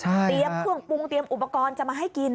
เตรียมเครื่องปรุงเตรียมอุปกรณ์จะมาให้กิน